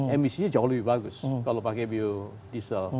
emisinya jauh lebih bagus kalau pakai biodiesel